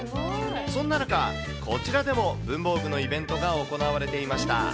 そんな中、こちらでも文房具のイベントが行われていました。